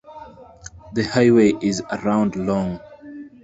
The highway is around long.